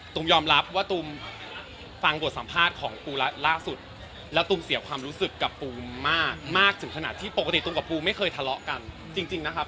ยอมรับว่าตูมฟังบทสัมภาษณ์ของปูละล่าสุดแล้วตูมเสียความรู้สึกกับปูมมากมากถึงขนาดที่ปกติตูมกับปูไม่เคยทะเลาะกันจริงนะครับ